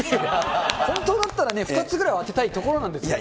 本当だったらね、２つぐらいは当てたいところなんですけどね。